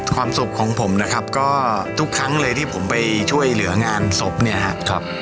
ความสุขของผมนะครับก็ทุกครั้งเลยที่ผมไปช่วยเหลืองานศพเนี่ยครับ